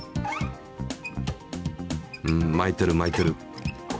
巻いてる巻いてる。